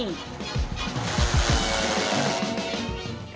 secara langsung atau dicacah seperti ini